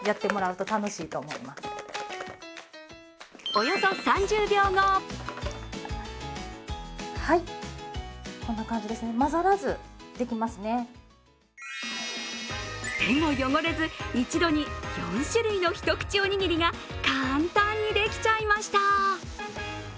およそ３０秒後手も汚れず一度に４種類の一口おにぎりが簡単にできちゃいました。